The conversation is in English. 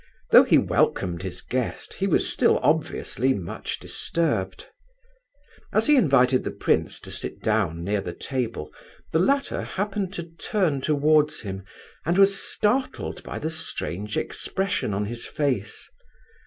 Though he welcomed his guest, he was still obviously much disturbed. As he invited the prince to sit down near the table, the latter happened to turn towards him, and was startled by the strange expression on his face.